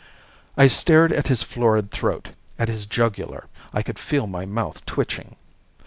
I stared at his florid throat, at his jugular. I could feel my mouth twitching.